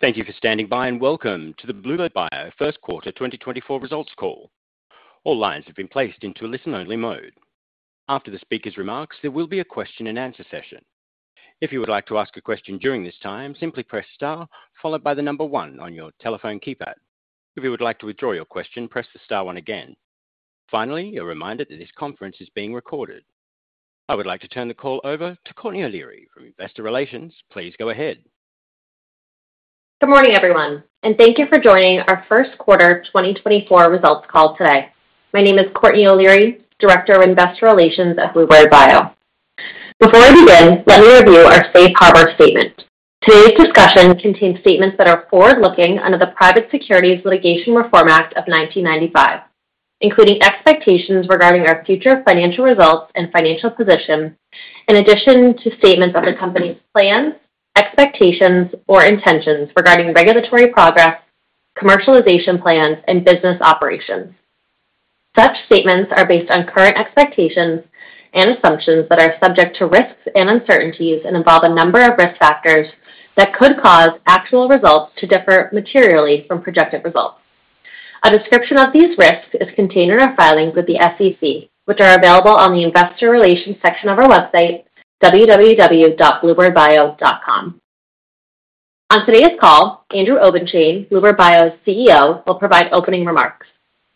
Thank you for standing by, and welcome to the bluebird bio First Quarter 2024 Results Call. All lines have been placed into a listen-only mode. After the speaker's remarks, there will be a question-and-answer session. If you would like to ask a question during this time, simply press star followed by the number one on your telephone keypad. If you would like to withdraw your question, press the star one again. Finally, you're reminded that this conference is being recorded. I would like to turn the call over to Courtney O'Leary from Investor Relations. Please go ahead. Good morning, everyone, and thank you for joining our first quarter 2024 results call today. My name is Courtney O'Leary, Director of Investor Relations at bluebird bio. Before I begin, let me review our safe harbor statement. Today's discussion contains statements that are forward-looking under the Private Securities Litigation Reform Act of 1995, including expectations regarding our future financial results and financial position, in addition to statements of the company's plans, expectations, or intentions regarding regulatory progress, commercialization plans, and business operations. Such statements are based on current expectations and assumptions that are subject to risks and uncertainties and involve a number of risk factors that could cause actual results to differ materially from projected results. A description of these risks is contained in our filings with the SEC, which are available on the Investor Relations section of our website, www.bluebirdbio.com. On today's call, Andrew Obenshain, bluebird bio's CEO, will provide opening remarks.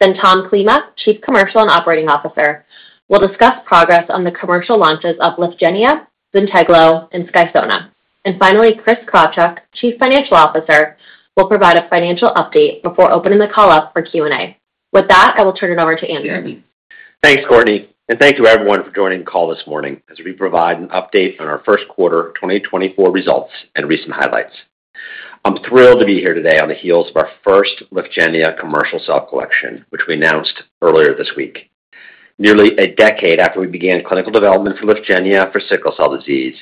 Then Tom Klima, Chief Commercial and Operating Officer, will discuss progress on the commercial launches of LYFGENIA, ZYNTEGLO, and SKYSONA. And finally, Chris Krawtschuk, Chief Financial Officer, will provide a financial update before opening the call up for Q&A. With that, I will turn it over to Andrew. Thanks, Courtney, and thank you, everyone, for joining the call this morning as we provide an update on our first quarter 2024 results and recent highlights. I'm thrilled to be here today on the heels of our first LYFGENIA commercial cell collection, which we announced earlier this week. Nearly a decade after we began clinical development for LYFGENIA for sickle cell disease,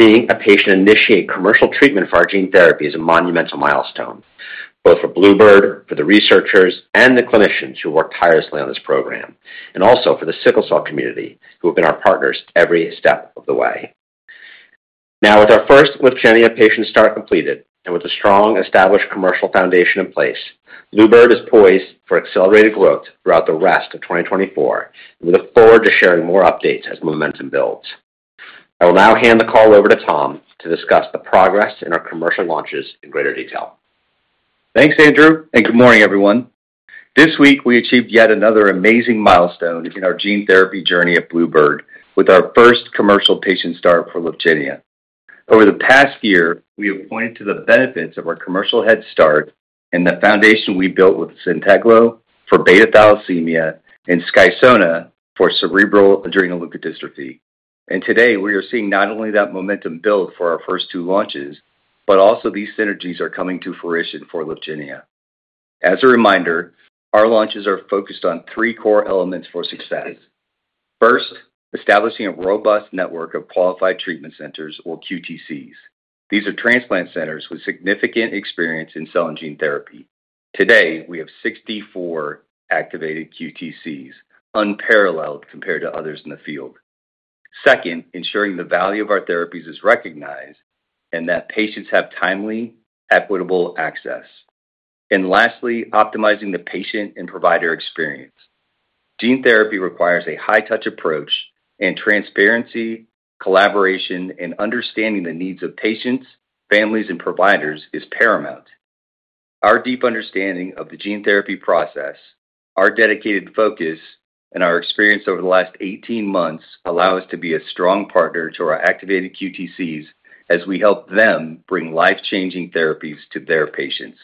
seeing a patient initiate commercial treatment for our gene therapy is a monumental milestone, both for Bluebird, for the researchers and the clinicians who worked tirelessly on this program, and also for the sickle cell community, who have been our partners every step of the way. Now, with our first LYFGENIA patient start completed, and with a strong, established commercial foundation in place, Bluebird is poised for accelerated growth throughout the rest of 2024. We look forward to sharing more updates as momentum builds. I will now hand the call over to Tom to discuss the progress in our commercial launches in greater detail. Thanks, Andrew, and good morning, everyone. This week we achieved yet another amazing milestone in our gene therapy journey at bluebird bio with our first commercial patient start for LYFGENIA. Over the past year, we have pointed to the benefits of our commercial head start and the foundation we built with ZYNTEGLO for beta-thalassemia and SKYSONA for cerebral adrenoleukodystrophy. Today, we are seeing not only that momentum build for our first two launches, but also these synergies are coming to fruition for LYFGENIA. As a reminder, our launches are focused on three core elements for success. First, establishing a robust network of qualified treatment centers or QTCs. These are transplant centers with significant experience in cell and gene therapy. Today, we have 64 activated QTCs, unparalleled compared to others in the field. Second, ensuring the value of our therapies is recognized and that patients have timely, equitable access. And lastly, optimizing the patient and provider experience. Gene therapy requires a high-touch approach and transparency, collaboration, and understanding the needs of patients, families, and providers is paramount. Our deep understanding of the gene therapy process, our dedicated focus, and our experience over the last 18 months allow us to be a strong partner to our activated QTCs as we help them bring life-changing therapies to their patients.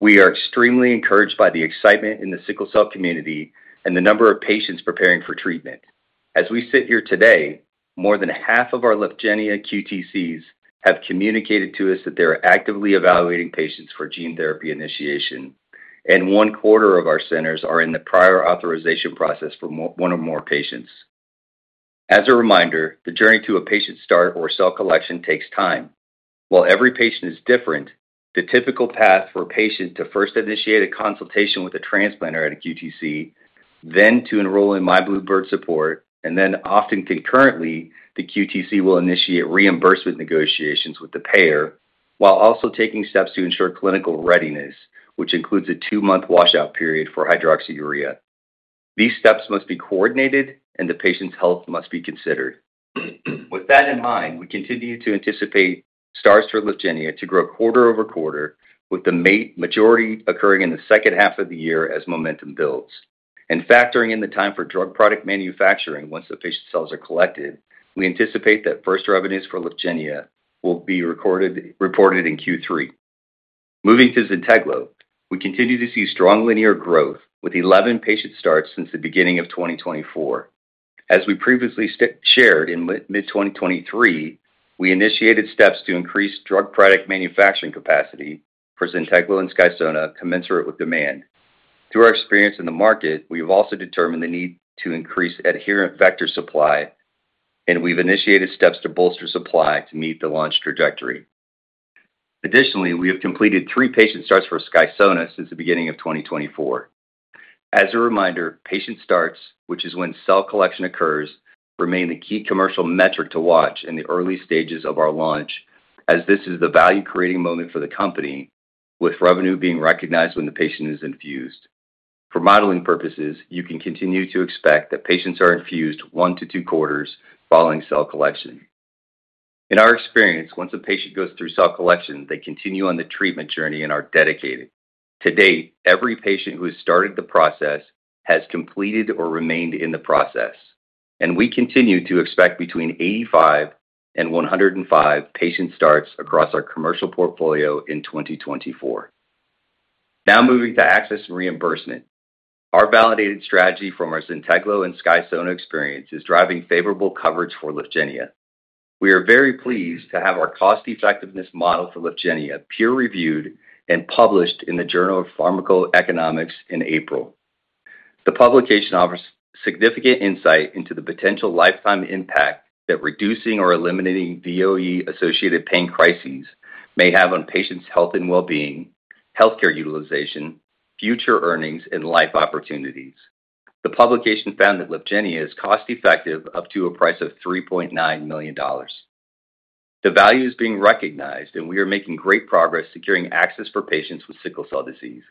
We are extremely encouraged by the excitement in the sickle cell community and the number of patients preparing for treatment. As we sit here today, more than half of our LYFGENIA QTCs have communicated to us that they are actively evaluating patients for gene therapy initiation, and one quarter of our centers are in the prior authorization process for one or more patients. As a reminder, the journey to a patient start or cell collection takes time. While every patient is different, the typical path for a patient to first initiate a consultation with a transplanter at a QTC, then to enroll in myBluebird support, and then often concurrently, the QTC will initiate reimbursement negotiations with the payer, while also taking steps to ensure clinical readiness, which includes a two-month washout period for hydroxyurea. These steps must be coordinated, and the patient's health must be considered. With that in mind, we continue to anticipate starts for LYFGENIA to grow quarter over quarter, with the majority occurring in the second half of the year as momentum builds. Factoring in the time for drug product manufacturing once the patient cells are collected, we anticipate that first revenues for LYFGENIA will be recorded, reported in Q3. Moving to ZYNTEGLO, we continue to see strong linear growth with 11 patient starts since the beginning of 2024. As we previously shared in mid-2023, we initiated steps to increase drug product manufacturing capacity for ZYNTEGLO and SKYSONA, commensurate with demand. Through our experience in the market, we've also determined the need to increase adherent vector supply, and we've initiated steps to bolster supply to meet the launch trajectory. Additionally, we have completed 3 patient starts for SKYSONA since the beginning of 2024. As a reminder, patient starts, which is when cell collection occurs, remain the key commercial metric to watch in the early stages of our launch, as this is the value-creating moment for the company, with revenue being recognized when the patient is infused. For modeling purposes, you can continue to expect that patients are infused 1-2 quarters following cell collection. In our experience, once a patient goes through cell collection, they continue on the treatment journey and are dedicated. To date, every patient who has started the process has completed or remained in the process, and we continue to expect between 85 and 105 patient starts across our commercial portfolio in 2024. Now moving to access and reimbursement. Our validated strategy from our ZYNTEGLO and SKYSONA experience is driving favorable coverage for LYFGENIA. We are very pleased to have our cost effectiveness model for LYFGENIA peer-reviewed and published in the Journal of PharmacoEconomics in April. The publication offers significant insight into the potential lifetime impact that reducing or eliminating VOE-associated pain crises may have on patients' health and well-being, healthcare utilization, future earnings, and life opportunities. The publication found that LYFGENIA is cost-effective up to a price of $3.9 million. The value is being recognized, and we are making great progress securing access for patients with sickle cell disease.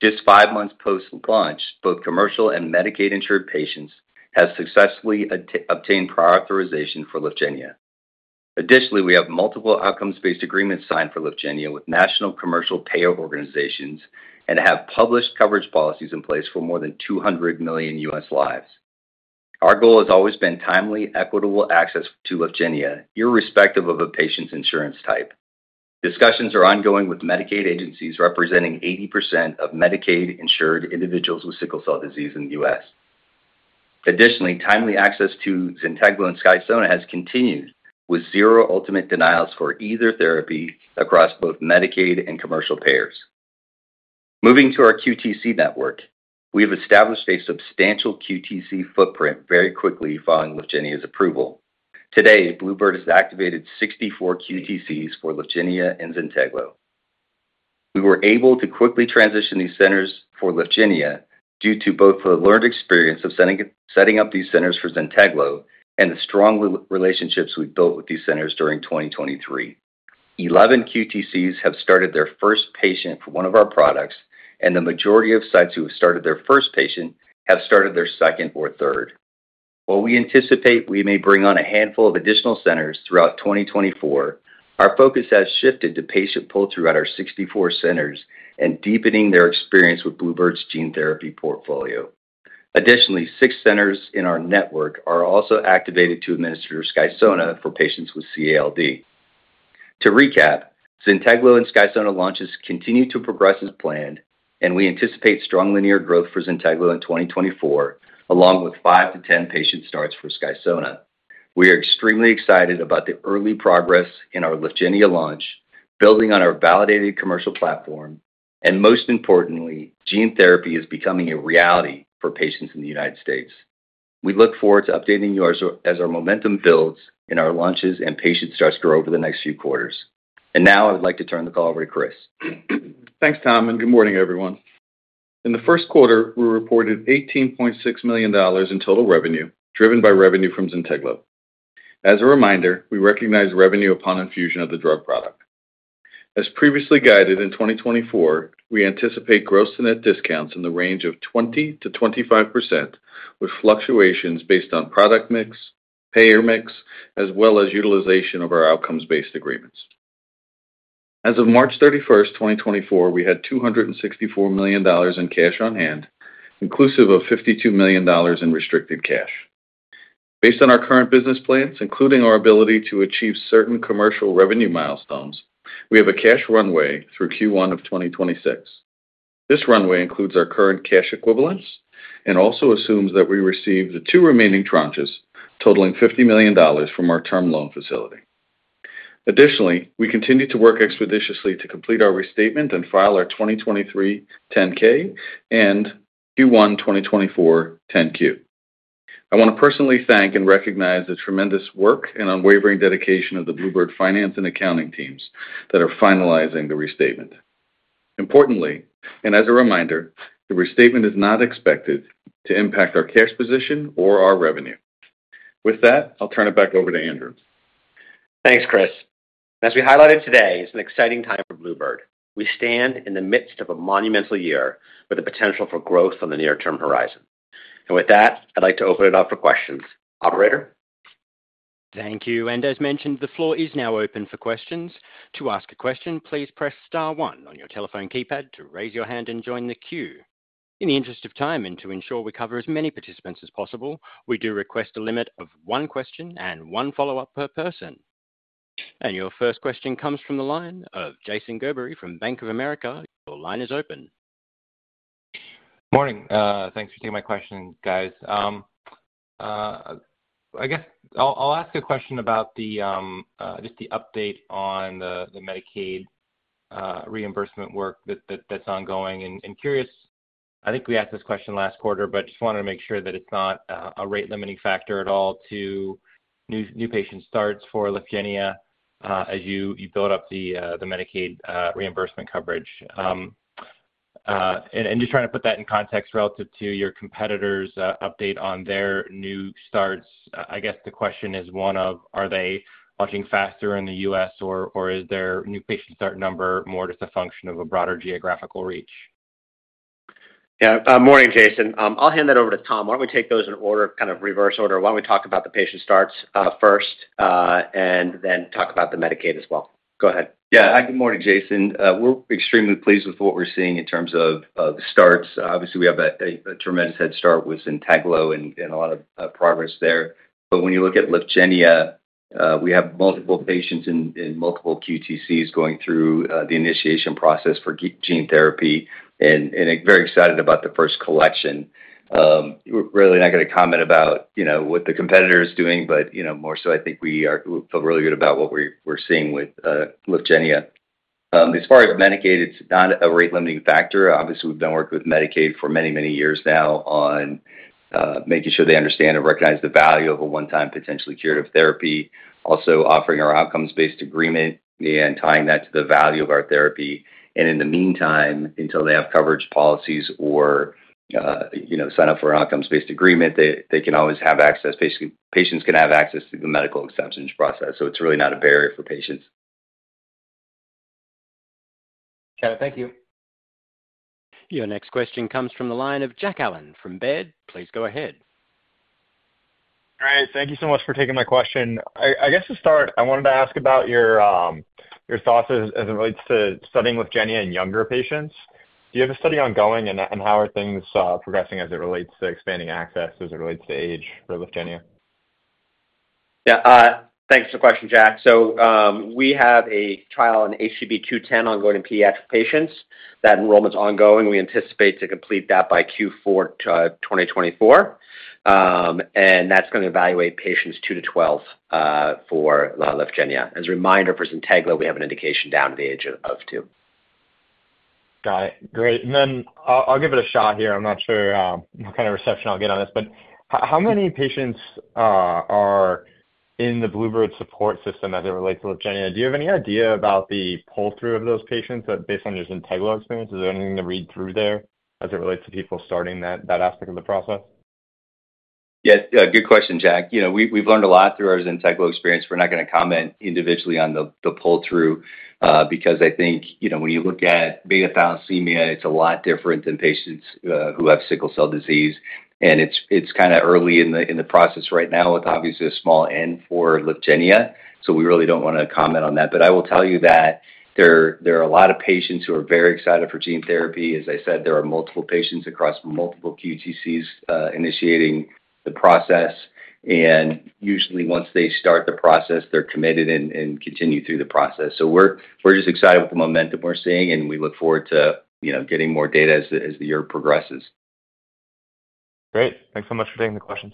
Just five months post-launch, both commercial and Medicaid-insured patients have successfully obtained prior authorization for LYFGENIA. Additionally, we have multiple outcomes-based agreements signed for LYFGENIA with national commercial payer organizations and have published coverage policies in place for more than 200 million U.S. lives. Our goal has always been timely, equitable access to LYFGENIA, irrespective of a patient's insurance type. Discussions are ongoing with Medicaid agencies, representing 80% of Medicaid-insured individuals with sickle cell disease in the U.S. Additionally, timely access to ZYNTEGLO and SKYSONA has continued, with zero ultimate denials for either therapy across both Medicaid and commercial payers. Moving to our QTC network, we have established a substantial QTC footprint very quickly following LYFGENIA's approval. Today, Bluebird has activated 64 QTCs for LYFGENIA and ZYNTEGLO. We were able to quickly transition these centers for LYFGENIA due to both the learned experience of setting up these centers for ZYNTEGLO and the strong relationships we've built with these centers during 2023. Eleven QTCs have started their first patient for one of our products, and the majority of sites who have started their first patient have started their second or third. While we anticipate we may bring on a handful of additional centers throughout 2024, our focus has shifted to patient pull-through at our 64 centers and deepening their experience with bluebird's gene therapy portfolio. Additionally, six centers in our network are also activated to administer SKYSONA for patients with CALD. To recap, ZYNTEGLO and SKYSONA launches continue to progress as planned, and we anticipate strong linear growth for ZYNTEGLO in 2024, along with 5-10 patient starts for SKYSONA. We are extremely excited about the early progress in our LYFGENIA launch, building on our validated commercial platform, and most importantly, gene therapy is becoming a reality for patients in the United States. We look forward to updating you as our momentum builds in our launches and patient starts to grow over the next few quarters. Now I'd like to turn the call over to Chris. Thanks, Tom, and good morning, everyone. In the first quarter, we reported $18.6 million in total revenue, driven by revenue from ZYNTEGLO. As a reminder, we recognize revenue upon infusion of the drug product. As previously guided, in 2024, we anticipate gross-to-net discounts in the range of 20%-25%, with fluctuations based on product mix, payer mix, as well as utilization of our outcomes-based agreements. As of March 31, 2024, we had $264 million in cash on hand, inclusive of $52 million in restricted cash. Based on our current business plans, including our ability to achieve certain commercial revenue milestones, we have a cash runway through Q1 of 2026. This runway includes our current cash equivalents and also assumes that we receive the two remaining tranches, totaling $50 million from our term loan facility. Additionally, we continue to work expeditiously to complete our restatement and file our 2023 10-K and Q1 2024 10-Q. I want to personally thank and recognize the tremendous work and unwavering dedication of the bluebird finance and accounting teams that are finalizing the restatement. Importantly, and as a reminder, the restatement is not expected to impact our cash position or our revenue. With that, I'll turn it back over to Andrew. Thanks, Chris. As we highlighted today, it's an exciting time for Bluebird. We stand in the midst of a monumental year with the potential for growth on the near-term horizon. With that, I'd like to open it up for questions. Operator? Thank you. As mentioned, the floor is now open for questions. To ask a question, please press star one on your telephone keypad to raise your hand and join the queue. In the interest of time and to ensure we cover as many participants as possible, we do request a limit of one question and one follow-up per person. Your first question comes from the line of Jason Gerberry from Bank of America. Your line is open. Morning. Thanks for taking my question, guys. I guess I'll ask a question about just the update on the Medicaid reimbursement work that's ongoing. I'm curious, I think we asked this question last quarter, but just wanted to make sure that it's not a rate-limiting factor at all to new patient starts for LYFGENIA.... as you build up the Medicaid reimbursement coverage. And just trying to put that in context relative to your competitors, update on their new starts. I guess the question is one of, are they launching faster in the U.S. or is their new patient start number more just a function of a broader geographical reach? Yeah. Morning, Jason. I'll hand that over to Tom. Why don't we take those in order, kind of, reverse order? Why don't we talk about the patient starts first, and then talk about the Medicaid as well? Go ahead. Yeah. Good morning, Jason. We're extremely pleased with what we're seeing in terms of starts. Obviously, we have a tremendous head start with ZYNTEGLO and a lot of progress there. But when you look at LYFGENIA, we have multiple patients in multiple QTCs going through the initiation process for gene therapy, and very excited about the first collection. We're really not gonna comment about, you know, what the competitor is doing, but, you know, more so I think we feel really good about what we're seeing with LYFGENIA. As far as Medicaid, it's not a rate limiting factor. Obviously, we've been working with Medicaid for many, many years now on making sure they understand and recognize the value of a one-time potentially curative therapy. Also, offering our outcomes-based agreement and tying that to the value of our therapy. In the meantime, until they have coverage policies or, you know, sign up for an outcomes-based agreement, they can always have access. Basically, patients can have access through the medical exceptions process, so it's really not a barrier for patients. Got it. Thank you. Your next question comes from the line of Jack Allen from Baird. Please go ahead. All right, thank you so much for taking my question. I guess, to start, I wanted to ask about your your thoughts as it relates to studying LYFGENIA in younger patients. Do you have a study ongoing, and how are things progressing as it relates to expanding access, as it relates to age for LYFGENIA? Yeah, thanks for the question, Jack. So, we have a trial on HGB-210 ongoing in pediatric patients. That enrollment's ongoing. We anticipate to complete that by Q4, 2024. And that's gonna evaluate patients 2 to 12, for LYFGENIA. As a reminder, for ZYNTEGLO, we have an indication down to the age of, of 2. Got it. Great. And then I'll give it a shot here. I'm not sure what kind of reception I'll get on this, but how many patients are in the bluebird support system as it relates to LYFGENIA? Do you have any idea about the pull-through of those patients based on your ZYNTEGLO experience? Is there anything to read through there as it relates to people starting that aspect of the process? Yeah, good question, Jack. You know, we've learned a lot through our ZYNTEGLO experience. We're not gonna comment individually on the pull-through because I think, you know, when you look at beta-thalassemia, it's a lot different than patients who have sickle cell disease. And it's kinda early in the process right now with obviously a small N for LYFGENIA, so we really don't wanna comment on that. But I will tell you that there are a lot of patients who are very excited for gene therapy. As I said, there are multiple patients across multiple QTCs initiating the process, and usually once they start the process, they're committed and continue through the process. We're just excited with the momentum we're seeing, and we look forward to, you know, getting more data as the year progresses. Great. Thanks so much for taking the questions.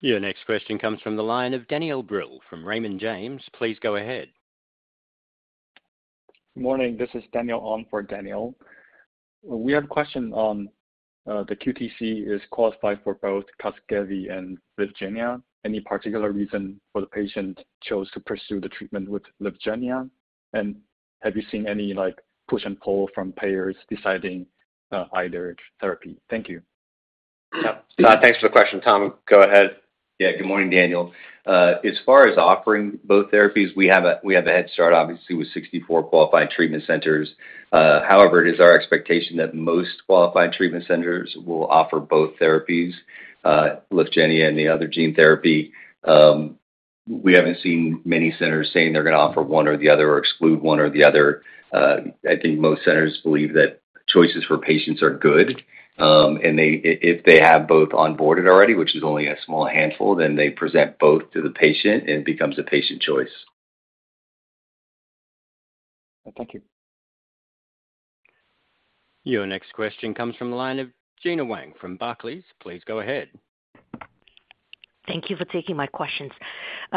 Your next question comes from the line of Daniel Brill from Raymond James. Please go ahead. Morning, this is Daniel Ong for Daniel. We have a question on the QTC is qualified for both Casgevy and LYFGENIA. Any particular reason for the patient chose to pursue the treatment with LYFGENIA? And have you seen any, like, push and pull from payers deciding either therapy? Thank you. Yeah, thanks for the question. Tom, go ahead. Yeah, good morning, Daniel. As far as offering both therapies, we have a head start, obviously, with 64 Qualified Treatment Centers. However, it is our expectation that most Qualified Treatment Centers will offer both therapies, LYFGENIA and the other gene therapy. We haven't seen many centers saying they're gonna offer one or the other or exclude one or the other. I think most centers believe that choices for patients are good, and if they have both onboarded already, which is only a small handful, then they present both to the patient, and it becomes a patient choice. Thank you. Your next question comes from the line of Gena Wang from Barclays. Please go ahead. Thank you for taking my questions.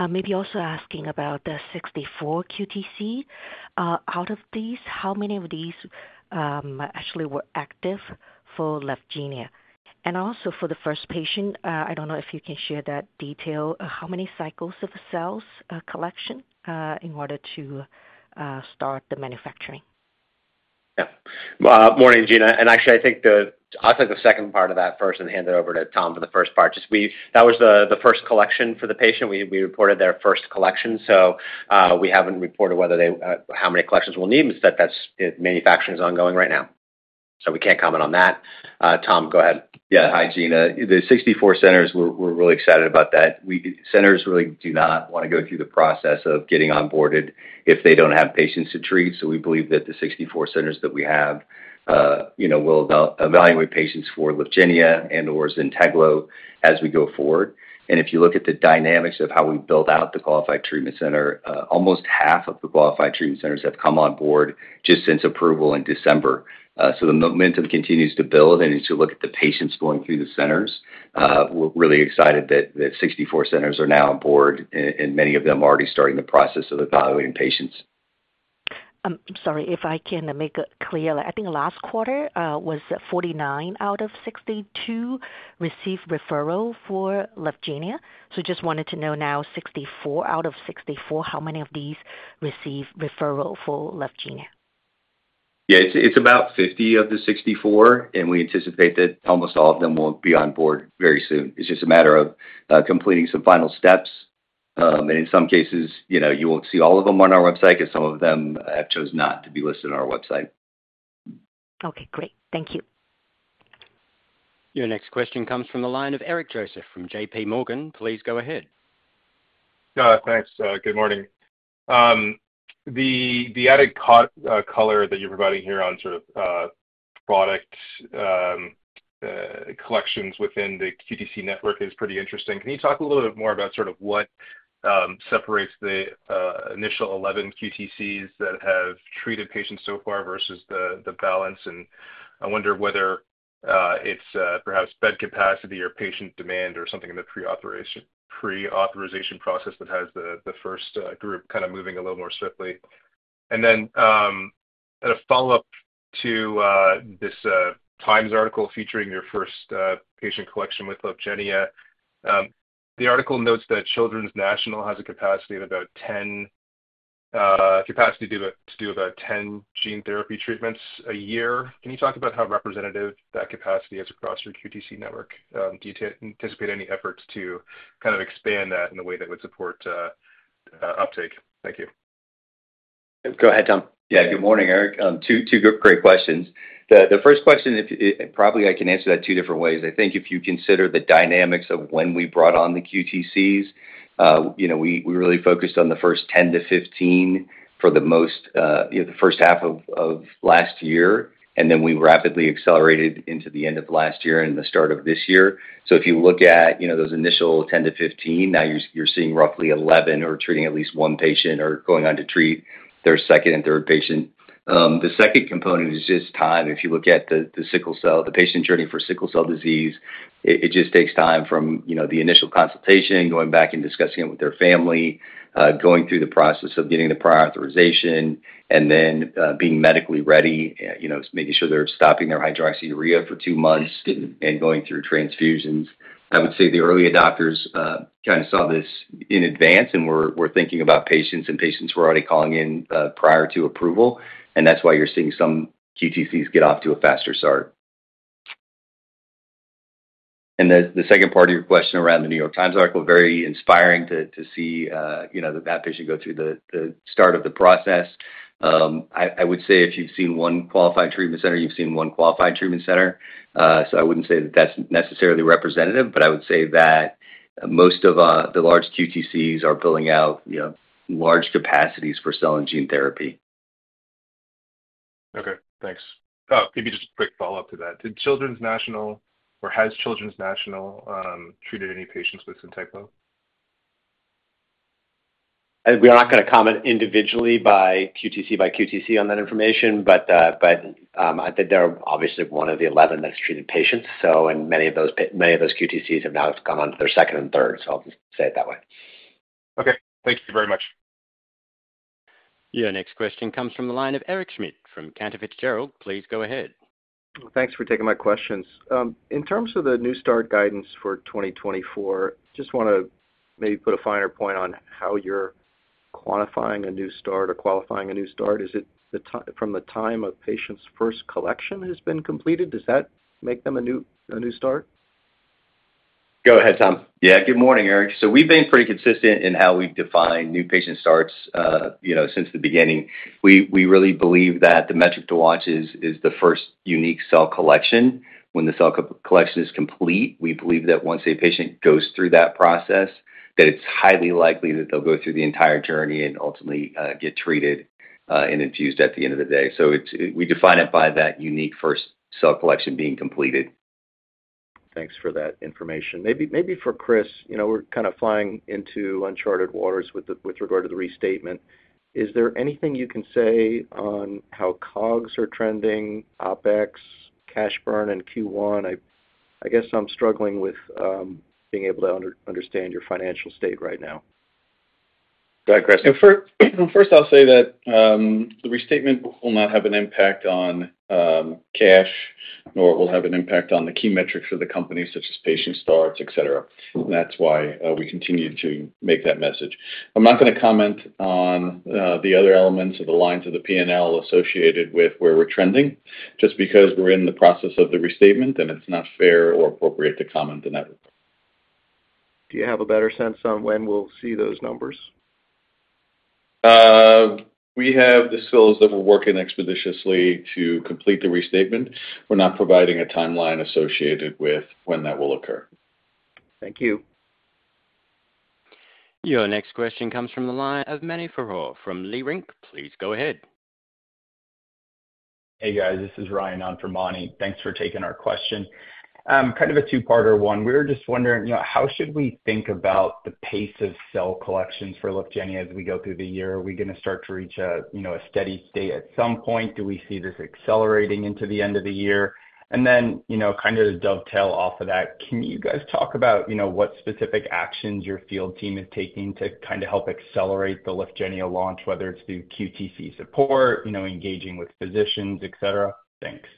Maybe also asking about the 64 QTC. Out of these, how many of these actually were active for LYFGENIA? And also for the first patient, I don't know if you can share that detail, how many cycles of the cells collection in order to start the manufacturing? Yeah. Morning, Gena, and actually, I think I'll take the second part of that first and hand it over to Tom for the first part. That was the first collection for the patient. We reported their first collection, so we haven't reported whether they how many collections we'll need, but manufacturing is ongoing right now, so we can't comment on that. Tom, go ahead. Yeah. Hi, Gena. The 64 centers, we're really excited about that. Centers really do not wanna go through the process of getting onboarded if they don't have patients to treat. So we believe that the 64 centers that we have, you know, will evaluate patients for LYFGENIA and/or ZYNTEGLO as we go forward. And if you look at the dynamics of how we build out the Qualified Treatment Center, almost half of the Qualified Treatment Centers have come on board just since approval in December. So the momentum continues to build, and as you look at the patients going through the centers, we're really excited that 64 centers are now on board, and many of them are already starting the process of evaluating patients.... I'm sorry, if I can make it clear, I think last quarter was 49 out of 62 received referral for LYFGENIA. So just wanted to know now, 64 out of 64, how many of these received referral for LYFGENIA? Yeah, it's about 50 of the 64, and we anticipate that almost all of them will be on board very soon. It's just a matter of completing some final steps. And in some cases, you know, you won't see all of them on our website, because some of them have chose not to be listed on our website. Okay, great. Thank you. Your next question comes from the line of Eric Joseph from JPMorgan. Please go ahead. Thanks, good morning. The added color that you're providing here on sort of product collections within the QTC network is pretty interesting. Can you talk a little bit more about sort of what separates the initial 11 QTCs that have treated patients so far versus the balance? And I wonder whether it's perhaps bed capacity or patient demand or something in the pre-authorization process that has the first group kind of moving a little more swiftly. And then, as a follow-up to this Times article featuring your first patient collection with LYFGENIA. The article notes that Children's National has a capacity of about 10 to do about 10 gene therapy treatments a year. Can you talk about how representative that capacity is across your QTC network? Do you anticipate any efforts to kind of expand that in a way that would support uptake? Thank you. Go ahead, Tom. Yeah, good morning, Eric. Two great questions. The first question, probably I can answer that two different ways. I think if you consider the dynamics of when we brought on the QTCs, you know, we really focused on the first 10-15 for the most, you know, the first half of last year, and then we rapidly accelerated into the end of last year and the start of this year. So if you look at, you know, those initial 10-15, now you're seeing roughly 11 are treating at least one patient or going on to treat their second and third patient. The second component is just time. If you look at the sickle cell, the patient journey for sickle cell disease, it just takes time from, you know, the initial consultation, going back and discussing it with their family, going through the process of getting the prior authorization, and then being medically ready. You know, making sure they're stopping their hydroxyurea for two months and going through transfusions. I would say the early adopters kind of saw this in advance and were thinking about patients, and patients were already calling in prior to approval, and that's why you're seeing some QTCs get off to a faster start. And the second part of your question around the New York Times article, very inspiring to see, you know, that patient go through the start of the process. I would say if you've seen one Qualified Treatment Center, you've seen one Qualified Treatment Center. So I wouldn't say that that's necessarily representative, but I would say that most of the large QTCs are pulling out, you know, large capacities for cell and gene therapy. Okay, thanks. Maybe just a quick follow-up to that. Did Children's National or has Children's National treated any patients with ZYNTEGLO? We are not going to comment individually by QTC by QTC on that information, but, but, I think they're obviously one of the 11 that's treated patients, so and many of those QTCs have now gone on to their second and third, so I'll just say it that way. Okay. Thank you very much. Your next question comes from the line of Eric Schmidt from Cantor Fitzgerald. Please go ahead. Thanks for taking my questions. In terms of the new start guidance for 2024, just wanna maybe put a finer point on how you're quantifying a new start or qualifying a new start. Is it from the time of the patient's first collection has been completed, does that make them a new start? Go ahead, Tom. Yeah, good morning, Eric. So we've been pretty consistent in how we've defined new patient starts, you know, since the beginning. We really believe that the metric to watch is the first unique cell collection. When the cell collection is complete, we believe that once a patient goes through that process, that it's highly likely that they'll go through the entire journey and ultimately get treated and infused at the end of the day. So, we define it by that unique first cell collection being completed. Thanks for that information. Maybe, maybe for Chris, you know, we're kind of flying into uncharted waters with regard to the restatement. Is there anything you can say on how COGS are trending, OpEx, cash burn in Q1? I guess I'm struggling with being able to understand your financial state right now. Go ahead, Chris. First, I'll say that the restatement will not have an impact on cash, nor it will have an impact on the key metrics for the company, such as patient starts, et cetera. That's why we continue to make that message. I'm not gonna comment on the other elements of the lines of the P&L associated with where we're trending, just because we're in the process of the restatement, and it's not fair or appropriate to comment on that. Do you have a better sense on when we'll see those numbers? We have the skills that we're working expeditiously to complete the restatement. We're not providing a timeline associated with when that will occur. Thank you. Your next question comes from the line of Mani Foroohar from Leerink Partners. Please go ahead. Hey, guys, this is Ryan on for Mani. Thanks for taking our question. Kind of a two-parter one. We were just wondering, you know, how should we think about the pace of cell collections for LYFGENIA as we go through the year? Are we gonna start to reach a, you know, a steady state at some point? Do we see this accelerating into the end of the year? And then, you know, kind of dovetail off of that, can you guys talk about, you know, what specific actions your field team is taking to kind of help accelerate the LYFGENIA launch, whether it's through QTC support, you know, engaging with physicians, et cetera? Thanks....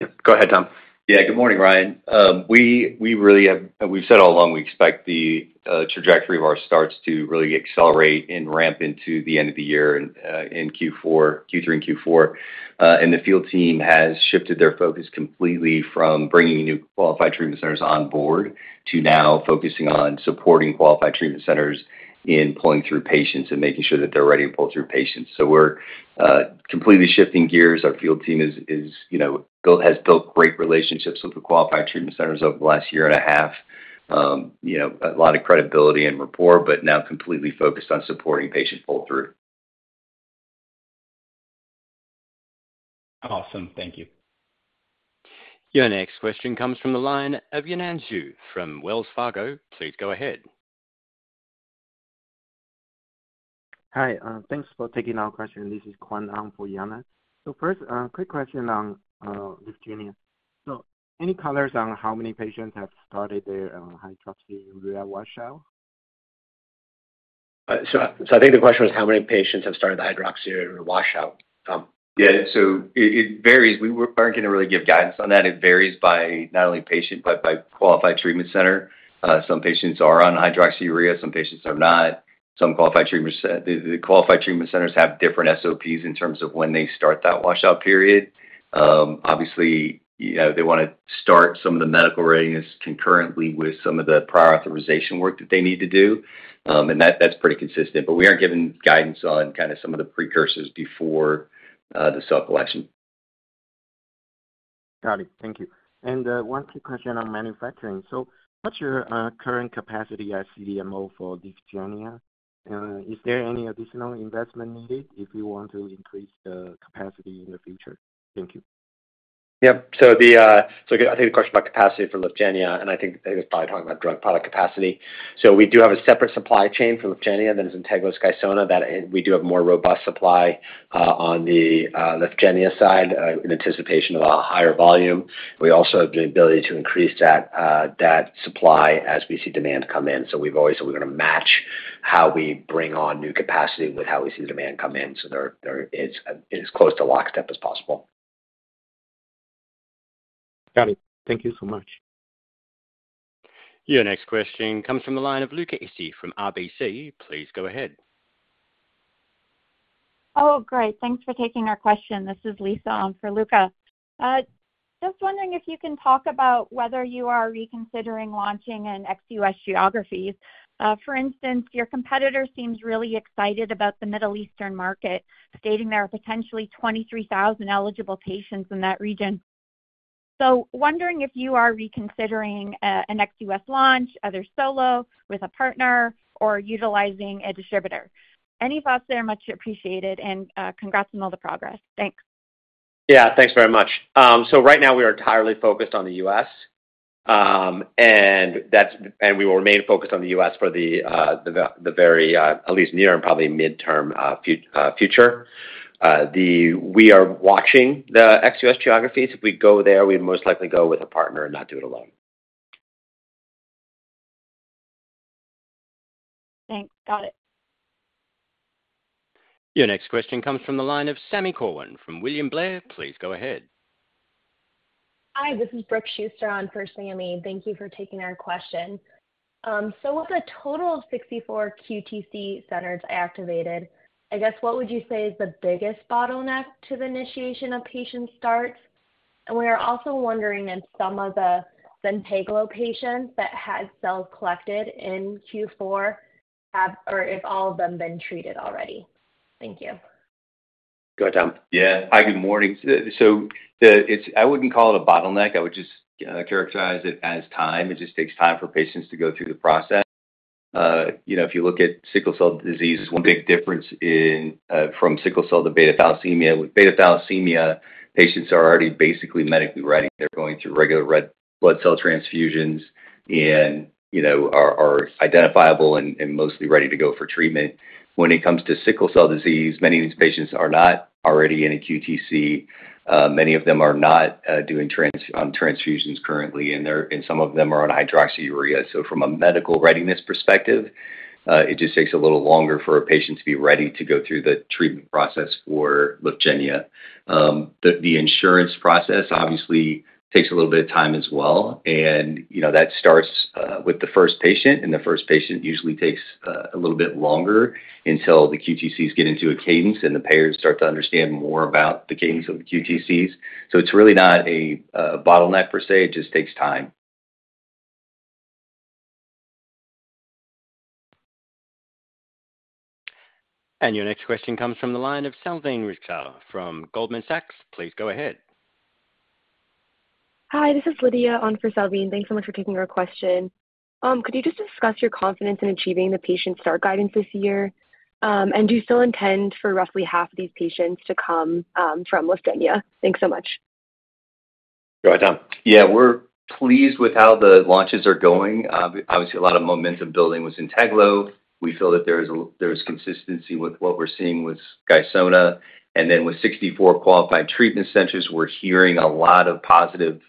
Yep, go ahead, Tom. Yeah. Good morning, Ryan. We really have—we've said all along, we expect the trajectory of our starts to really accelerate and ramp into the end of the year in Q3 and Q4. And the field team has shifted their focus completely from bringing new qualified treatment centers on board, to now focusing on supporting qualified treatment centers in pulling through patients and making sure that they're ready to pull through patients. So we're completely shifting gears. Our field team is, you know, has built great relationships with the qualified treatment centers over the last year and a half. You know, a lot of credibility and rapport, but now completely focused on supporting patient pull-through. Awesome. Thank you. Your next question comes from the line of Yannan Xu from Wells Fargo. Please go ahead. Hi, thanks for taking our question. This is Kuan Ang for Yanna. So first, a quick question on with Jenny. So any colors on how many patients have started their hydroxyurea washout? I think the question was, how many patients have started the hydroxyurea washout, Tom? Yeah, so it, it varies. We weren't going to really give guidance on that. It varies by not only patient, but by Qualified Treatment Center. Some patients are on Hydroxyurea, some patients are not. The Qualified Treatment Centers have different SOPs in terms of when they start that washout period. Obviously, you know, they wanna start some of the medical readiness concurrently with some of the prior authorization work that they need to do. And that's pretty consistent, but we aren't giving guidance on kinda some of the precursors before the cell collection. Got it. Thank you. One quick question on manufacturing. What's your current capacity at CDMO for LYFGENIA? And is there any additional investment needed if you want to increase the capacity in the future? Thank you. Yep. So I think the question about capacity for LYFGENIA, and I think it was probably talking about drug product capacity. So we do have a separate supply chain for LYFGENIA, that is ZYNTEGLO and SKYSONA, that we do have more robust supply on the LYFGENIA side in anticipation of a higher volume. We also have the ability to increase that supply as we see demand come in. So we're gonna match how we bring on new capacity with how we see the demand come in. So there is, as close to lockstep as possible. Got it. Thank you so much. Your next question comes from the line of Luca Issi from RBC. Please go ahead. Oh, great! Thanks for taking our question. This is Lisa on for Luca. Just wondering if you can talk about whether you are reconsidering launching in ex-US geographies. For instance, your competitor seems really excited about the Middle Eastern market, stating there are potentially 23,000 eligible patients in that region. So wondering if you are reconsidering an ex-US launch, either solo, with a partner, or utilizing a distributor. Any thoughts there are much appreciated and congrats on all the progress. Thanks. Yeah, thanks very much. So right now we are entirely focused on the U.S., and we will remain focused on the U.S. for the very, at least near and probably midterm, future. We are watching the ex-U.S. geographies. If we go there, we'd most likely go with a partner and not do it alone. Thanks. Got it. Your next question comes from the line of Sami Corwin from William Blair. Please go ahead. Hi, this is Brooke Schuster on for Sami. Thank you for taking our question. So with a total of 64 QTC centers activated, I guess, what would you say is the biggest bottleneck to the initiation of patient starts? And we are also wondering if some of the ZYNTEGLO patients that had cells collected in Q4 have, or if all of them been treated already. Thank you. Go, Tom. Yeah. Hi, good morning. So it's, I wouldn't call it a bottleneck. I would just characterize it as time. It just takes time for patients to go through the process. You know, if you look at sickle cell disease, one big difference from sickle cell to beta-thalassemia. With beta-thalassemia, patients are already basically medically ready. They're going through regular red blood cell transfusions and, you know, are identifiable and mostly ready to go for treatment. When it comes to sickle cell disease, many of these patients are not already in a QTC. Many of them are not doing transfusions currently, and some of them are on hydroxyurea. So from a medical readiness perspective, it just takes a little longer for a patient to be ready to go through the treatment process for LYFGENIA. The insurance process obviously takes a little bit of time as well, and, you know, that starts with the first patient, and the first patient usually takes a little bit longer until the QTCs get into a cadence and the payers start to understand more about the cadence of the QTCs. So it's really not a bottleneck per se, it just takes time. Your next question comes from the line of Salveen Richter from Goldman Sachs. Please go ahead. Hi, this is Lydia on for Salveen. Thanks so much for taking our question. Could you just discuss your confidence in achieving the patient start guidance this year? And do you still intend for roughly half of these patients to come from LYFGENIA? Thanks so much. Go ahead, Tom. Yeah, we're pleased with how the launches are going. Obviously, a lot of momentum building with ZYNTEGLO. We feel that there is consistency with what we're seeing with SKYSONA, and then with 64 qualified treatment centers, we're hearing a lot of positive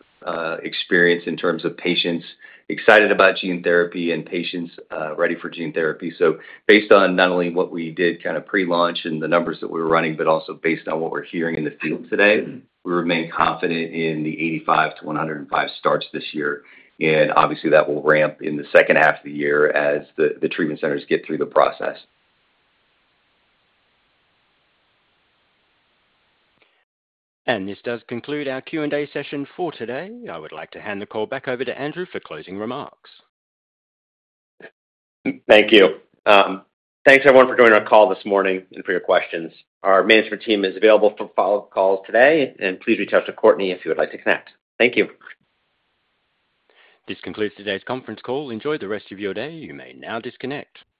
experience in terms of patients excited about gene therapy and patients ready for gene therapy. So based on not only what we did kinda pre-launch and the numbers that we're running, but also based on what we're hearing in the field today, we remain confident in the 85-105 starts this year, and obviously, that will ramp in the second half of the year as the treatment centers get through the process. This does conclude our Q&A session for today. I would like to hand the call back over to Andrew for closing remarks. Thank you. Thanks, everyone, for joining our call this morning and for your questions. Our management team is available for follow-up calls today, and please reach out to Courtney if you would like to connect. Thank you. This concludes today's conference call. Enjoy the rest of your day. You may now disconnect.